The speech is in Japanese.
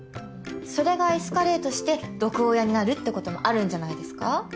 それがエスカレートして毒親になるってこともあるんじゃないですか？